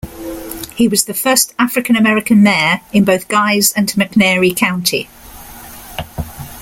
He was the first African American mayor in both Guys and McNairy County.